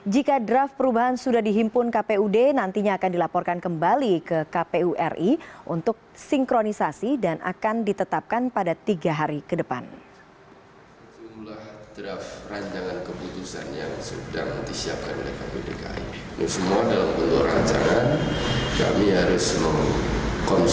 jika draft perubahan sudah dihimpun kpud nantinya akan dilaporkan kembali ke kpuri untuk sinkronisasi dan akan ditetapkan pada tiga hari ke depan